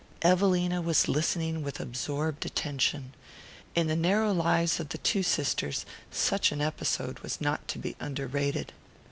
Evelina was listening with absorbed attention. In the narrow lives of the two sisters such an episode was not to be under rated.